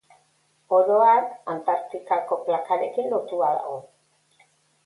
Oro har, Antartikako plakarekin lotua dago.